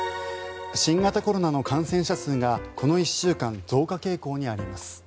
新型コロナの感染者数がこの１週間増加傾向にあります。